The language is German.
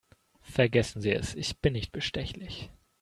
Vergessen Sie es, ich bin nicht bestechlich.